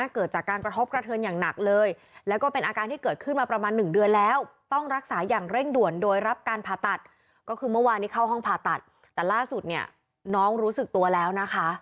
ข้างในไฟเบิ๊ดนี้น้องรู้สึกตัวแล้วนะคะ